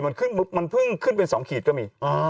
มันขึ้นมันพึ่งคึ่งเป็น๒ขีดก็มี